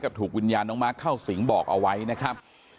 ก็ถูกวิญญาณข้าวสิงบอกเอาไว้นะครับ